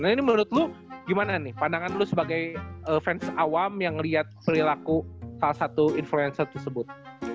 nah ini menurut lo gimana nih pandangan lu sebagai fans awam yang melihat perilaku salah satu influencer tersebut